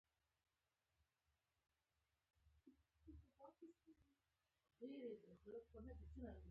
صلاحالدیناصفدی دابنحبانبستيیادونهډیره کړیده